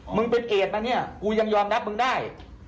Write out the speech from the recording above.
มึงเป็นเกรดมาเนี่ยกูยังยอมรับมึงได้